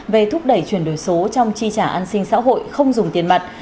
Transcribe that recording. về thúc đẩy chuyển đổi số trong chi trả an sinh xã hội không dùng tiền mặt